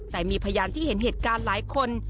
แต่มีพยานที่เห็นเหตุการณ์หลายคน